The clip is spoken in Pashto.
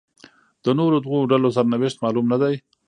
د نورو دوو ډلو سرنوشت معلوم نه دی.